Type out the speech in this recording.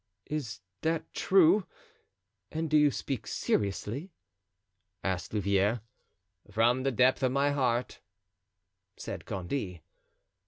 "Is that true, and do you speak seriously?" asked Louvieres. "From the depth of my heart," said Gondy.